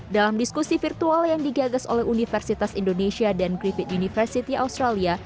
dalam diskusi virtual yang digagas oleh universitas indonesia dan griffith university australia